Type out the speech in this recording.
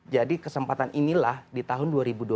jadi kesempatan inilah di tahun dua ribu dua puluh tiga